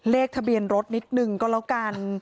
เลขทะเบียนรถนิดนึงก็แล้วกัน